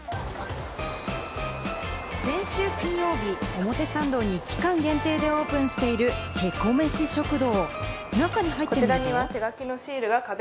先週金曜日、表参道に期間限定でオープンしている、凹メシ食堂。